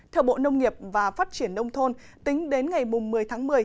theo bộ nông nghiệp và phát triển nông thôn tính đến ngày một mươi tháng một mươi